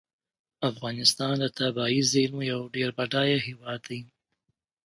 افغانستان د طبیعي زیرمو یو ډیر بډایه هیواد دی.